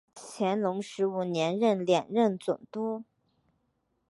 乾隆十五年任两广总督。